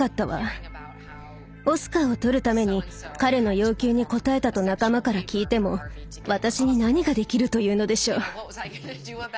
オスカーを取るために彼の要求に応えたと仲間から聞いても私に何ができるというのでしょう。